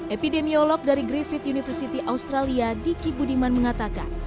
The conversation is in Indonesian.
epidemiolog dari griffith university australia diki budiman mengatakan